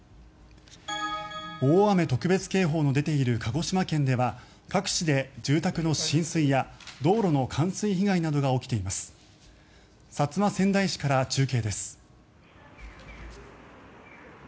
大雨特別警報の出ている鹿児島県では各地で住宅の浸水や道路の冠水被害などが起きています。